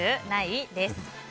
ない？です。